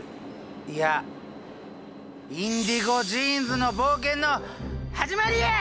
いや「インディゴ・ジーンズの冒険のはじまり」や！